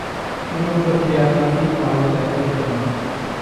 উড়ন্ত টিয়াপাখি কালো দেখায় কেন?